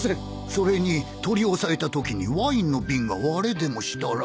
それに取り押さえた時にワインの瓶が割れでもしたら。